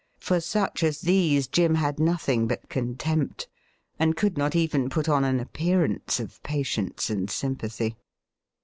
For such as these Jim had nothing but contempt, and could not even put on an appearance of patience and sympathy.